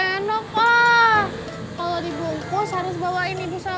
apa maksudnya ini comel beiskot menurutrt